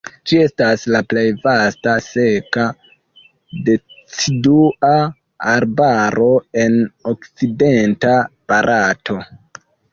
Ĝi estas la plej vasta seka decidua arbaro en okcidenta Barato.